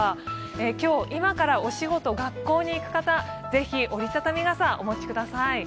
今日、今からお仕事、学校に行く方、ぜひ折り畳み傘をお持ちください。